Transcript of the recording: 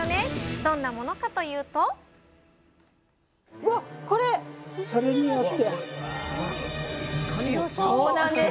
どんなものかというとそうなんです。